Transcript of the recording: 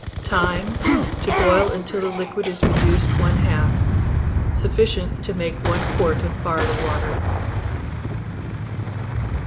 Time. To boil until the liquid is reduced one half. Sufficient to make 1 quart of barley water.